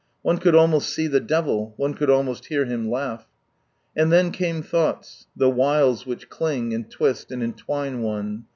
One could almost see the devil, one could almost hear him laugh. And then came thoughts, the " wiles " which cling, and twist, and entwine one.